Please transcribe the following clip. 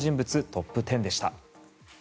トップ１０でした。